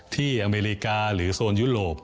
อเมริกาหรือโซนยุโรป